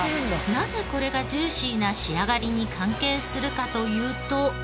なぜこれがジューシーな仕上がりに関係するかというと。